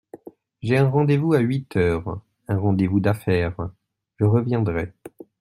J’ai un rendez-vous à huit heures… un rendez-vous d’affaires… je reviendrai…